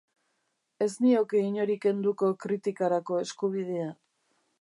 Ez nioke inori kenduko kritikarako eskubidea.